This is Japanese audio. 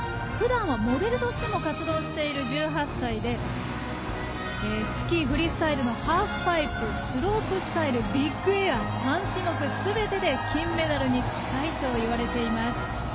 ふだんはモデルとしても活動している、１８歳でスキー・フリースタイルのハーフパイプスロープスタイル、ビッグエア３種目すべてで金メダルに近いといわれています。